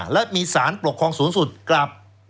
และมีสารปกครองสูงสุดกลับ